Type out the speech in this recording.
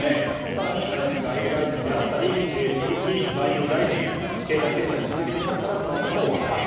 更に林外務大臣であったり鈴木財務大臣経済制裁も続けていますからこの辺りも分かる。